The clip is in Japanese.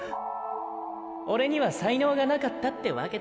オレには才能がなかったってワケだ。